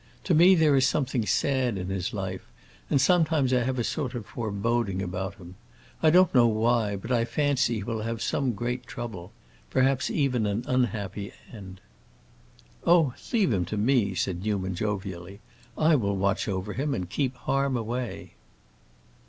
To me there is something sad in his life, and sometimes I have a sort of foreboding about him. I don't know why, but I fancy he will have some great trouble—perhaps an unhappy end." "Oh, leave him to me," said Newman, jovially. "I will watch over him and keep harm away."